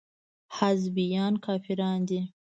حزبيان کافران دي.